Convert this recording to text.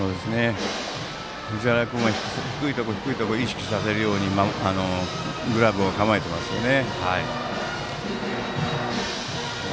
藤原君は低いところを意識させるようにグラブを構えていますよね。